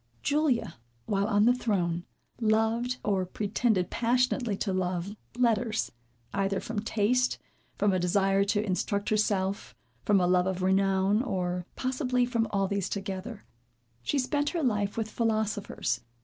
Julia, while on the throne, loved, or pretended passionately to love, letters. Either from taste, from a desire to instruct herself, from a love of renown, or possibly from all these together, she spent her life with philosophers.